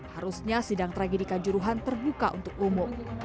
harusnya sidang tragedi kanjuruhan terbuka untuk umum